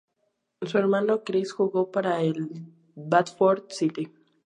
Su hermano, Chris, jugó para el Bradford City.